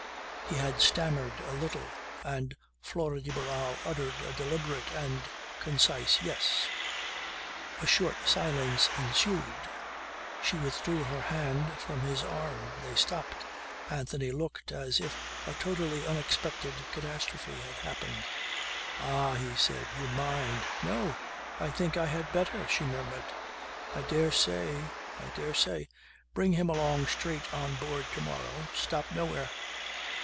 He had stammered a little, and Flora de Barral uttered a deliberate and concise "Yes." A short silence ensued. She withdrew her hand from his arm. They stopped. Anthony looked as if a totally unexpected catastrophe had happened. "Ah," he said. "You mind ..." "No! I think I had better," she murmured. "I dare say. I dare say. Bring him along straight on board to morrow. Stop nowhere."